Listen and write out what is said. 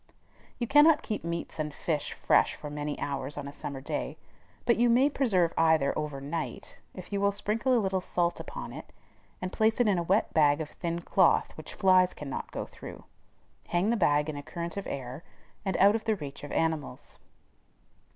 You cannot keep meats and fish fresh for many hours on a summer day; but you may preserve either over night, if you will sprinkle a little salt upon it, and place it in a wet bag of thin cloth which flies cannot go through; hang the bag in a current of air, and out of the reach of animals.